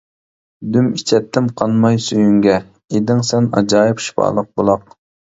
دۈم ئىچەتتىم قانماي سۈيۈڭگە، ئىدىڭ سەن ئاجايىپ شىپالىق بۇلاق.